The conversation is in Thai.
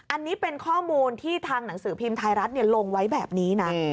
อันนี้เป็นข้อมูลที่ทางหนังสือพิมพ์ไทยรัฐลงไว้แบบนี้นะ